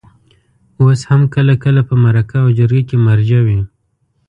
اوس هم کله کله په مرکه او جرګه کې مرجع وي.